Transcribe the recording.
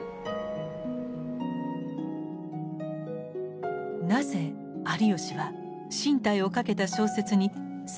なぜ有吉は進退をかけた小説に三代の女たちを描いたのか。